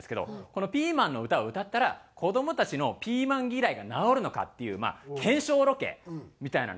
この『ピーマンのうた』を歌ったら子どもたちのピーマン嫌いが直るのかっていうまあ検証ロケみたいなのをやったんですね。